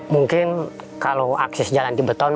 mungkin kalau akses jalan di beton